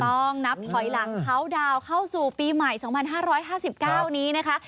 ต้องนับถอยหลังเขาดาวนเข้าสู่ปีใหม่๒๕๕๙นี้นะคะ